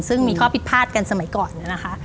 ซึ่งมีข้อผิดพลาดกันสมัยก่อนนะคะ